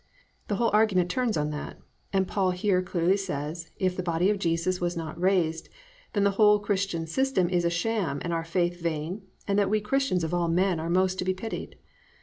The whole argument turns on that, and Paul here clearly says if the body of Jesus was not raised, then the whole Christian system is a sham and our faith vain and that we Christians of all men are most to be pitied.